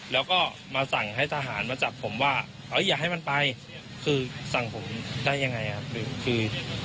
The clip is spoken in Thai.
แล้วก็มาสั่งให้ทหารมาจับผมว่าเฮ้ยอย่าให้มันไปคือสั่งผมได้ยังไงครับคือ